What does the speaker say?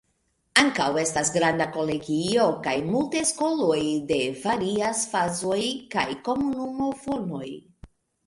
Ankaŭ, estas granda kolegio, kaj multe skoloj de varias fazoj kaj komunumo fonoj.